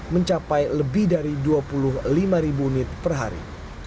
mencapai lebih dari dua puluh lima ribu unit per hari